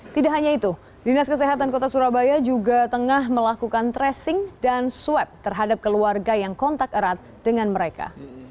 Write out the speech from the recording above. tidak hanya itu dinas kesehatan kota surabaya juga tengah melakukan tracing dan swab terhadap keluarga yang kontak erat dengan mereka